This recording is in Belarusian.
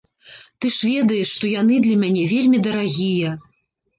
Ты ж ведаеш, што яны для мяне вельмі дарагія.